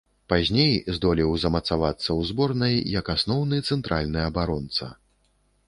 Пазней здолеў замацавацца ў зборнай як асноўны цэнтральны абаронца.